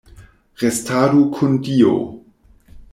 Restadu kun Dio!